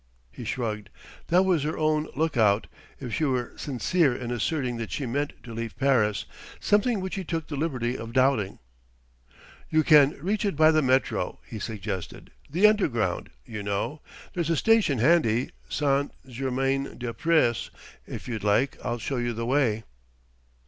He shrugged: that was her own look out if she were sincere in asserting that she meant to leave Paris; something which he took the liberty of doubting. "You can reach it by the Métro," he suggested "the Underground, you know; there's a station handy St. Germain des Prés. If you like, I'll show you the way."